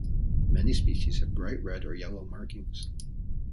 Many species have bright red or yellow markings.